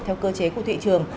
theo cơ chế của thị trường